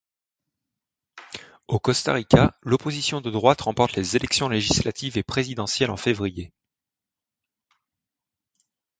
Au Costa Rica, l'opposition de droite remporte les élections législatives et présidentielle en février.